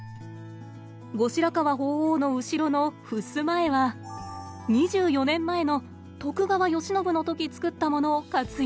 後白河法皇の後ろのふすま絵は２４年前の「徳川慶喜」の時作ったものを活用！